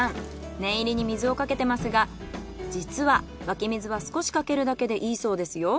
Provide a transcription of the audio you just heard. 念入りに水をかけてますが実は湧き水は少しかけるだけでいいそうですよ。